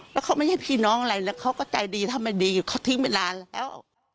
แล้วเขาไม่ใช่พี่น้องอะไรแล้วเขาก็ใจดีทำไมดีอยู่เขาทิ้งเวลาแล้ว